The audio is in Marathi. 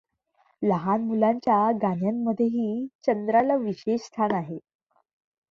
लहान मुलांच्या गाण्यांमध्येही चंद्राला विशेष स्थान आहे.